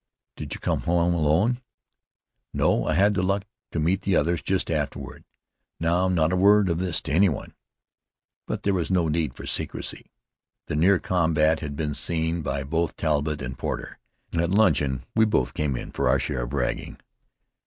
"Did you come home alone?" "No; I had the luck to meet the others just afterward. Now, not a word of this to any one!" But there was no need for secrecy. The near combat had been seen by both Talbott and Porter. At luncheon we both came in for our share of ragging.